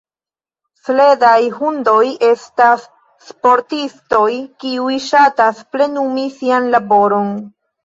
Sledaj hundoj estas sportistoj, kiuj ŝatas plenumi sian laboron.